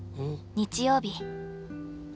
日曜日。